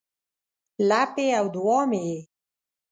لپې او دوعا مې یې